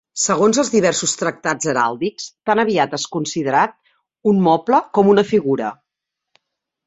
Segons els diversos tractats heràldics, tan aviat és considerat un moble com una figura.